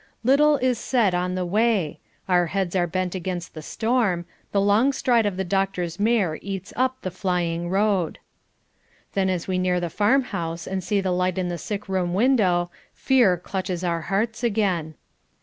Little is said on the way: our heads are bent against the storm: the long stride of the doctor's mare eats up the flying road. Then as we near the farm house and see the light in the sick room window, fear clutches our hearts again.